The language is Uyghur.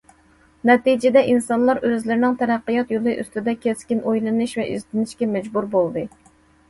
نەتىجىدە ئىنسانلار ئۆزلىرىنىڭ تەرەققىيات يولى ئۈستىدە كەسكىن ئويلىنىش ۋە ئىزدىنىشكە مەجبۇر بولدى.